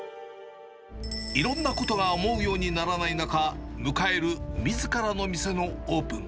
いろんなことが思うようにならない中、迎えるみずからの店のオープン。